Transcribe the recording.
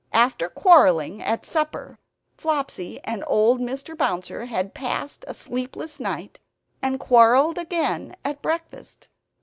After quarreling at supper, Flopsy and old Mr. Bouncer had passed a sleepless night, and quarrelled again at breakfast.